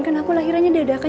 kan aku lahirannya dedakan